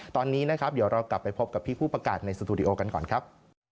ตอนนี้นะครับเดี๋ยวเรากลับไปพบกับพี่ผู้ประกาศในสตูดิโอกันก่อนครับ